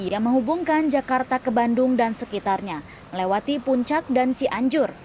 yang menghubungkan jakarta ke bandung dan sekitarnya melewati puncak dan cianjur